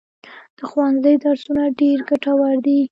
د ښوونځي درسونه ډېر ګټور دي.